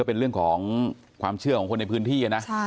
เป็นเรื่องของความเชื่อของคนในพื้นที่นะ